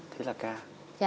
thế là ca